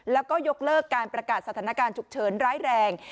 แล้วก็ยกเลิกการประกาศสถานการณ์ฉุกเฉินร้ายแรง